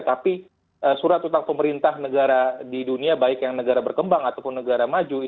tapi surat utang pemerintah negara di dunia baik yang negara berkembang ataupun negara maju